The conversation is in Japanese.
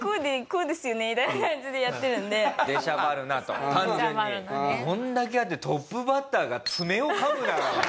こんだけあってトップバッターが「爪を噛むな」だからね。